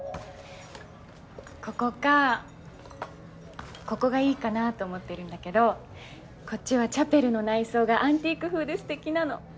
ここかここがいいかなと思ってるんだけどこっちはチャペルの内装がアンティーク風で素敵なの。